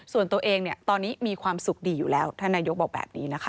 ส่วนตัวเองเนี่ยตอนนี้มีความสุขดีอยู่แล้วท่านนายกบอกแบบนี้นะคะ